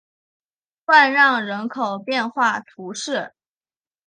万让人口变化图示